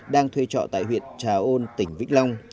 đang thuê trọ tại huyện trà ôn tỉnh vĩnh long